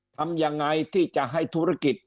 ทำยังไงที่จะให้ธุรกิจ